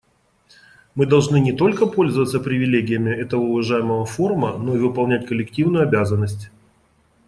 Мы должны не только пользоваться привилегиями этого уважаемого форума, но и выполнять коллективную обязанность.